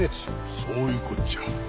そういうこっちゃ。